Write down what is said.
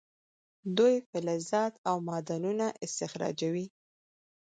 دوی فلزات او معدنونه استخراجوي.